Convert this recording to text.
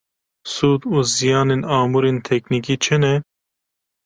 Sûd û ziyanên amûrên teknîkî çi ne?